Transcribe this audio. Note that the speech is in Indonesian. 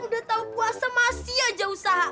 udah tahu puasa masih aja usaha